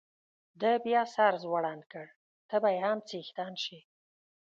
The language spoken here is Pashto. ده بیا سر ځوړند کړ، ته به یې هم څښتن شې.